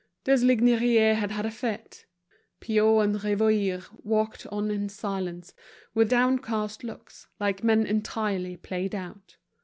Deslignières had had a fit, Piot and Rivoire walked on in silence, with downcast looks, like men entirely played out.